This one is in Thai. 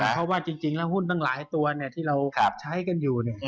เพราะว่าจริงแล้วหุ้นตั้งหลายตัวที่เราใช้กันอยู่